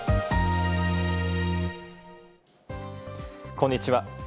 こんにちは。